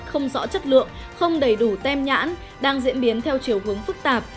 không rõ chất lượng không đầy đủ tem nhãn đang diễn biến theo chiều hướng phức tạp